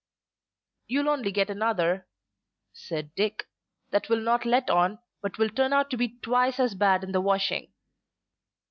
"You'll only get another," said Dick, "that will not let on, but will turn out to be twice as bad in the washing."